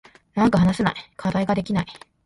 なんか話せない。課題ができない。